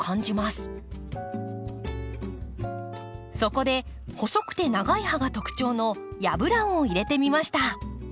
そこで細くて長い葉が特徴のヤブランを入れてみました。